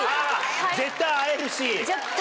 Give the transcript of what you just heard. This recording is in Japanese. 絶対会える。